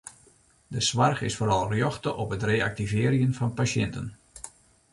De soarch is foaral rjochte op it reaktivearjen fan pasjinten.